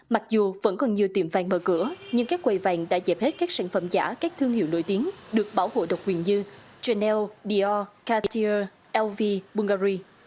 mặc dù vẫn còn nhiều tiệm vàng mở cửa nhưng các quầy vàng đã dẹp hết các sản phẩm giả các thương hiệu nổi tiếng được bảo hộ độc quyền như chanel dior cartier lv bungary